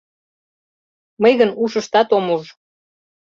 Мый гын ушыштат ом уж...